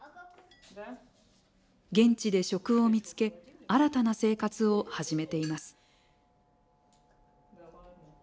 現地で職を見つけ新たな生活を始めています。